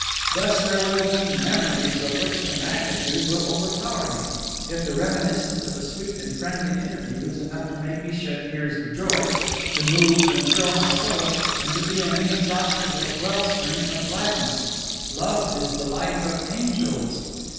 Thus there will be memories of which the magnitude will overpower me, if the reminiscence of a sweet and friendly interview is enough to make me shed tears of joy, to move and thrill my soul, and to be an inexhaustible wellspring of gladness. Love is the life of angels!